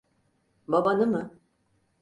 Babanı mı?